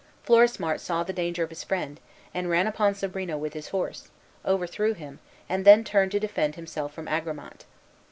Florismart saw the danger of his friend, and ran upon Sobrino with his horse, overthrew him, and then turned to defend himself from Agramant.